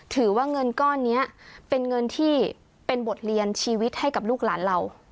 ถือว่าเงินก้อนนี้เป็นเงินที่เป็นบทเรียนชีวิตให้กับลูกหลานเรา